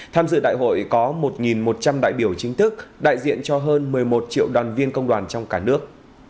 tham dự đại hội có một một trăm linh đại biểu chính thức đại diện cho hơn một mươi một triệu đoàn viên công đoàn trong cả nước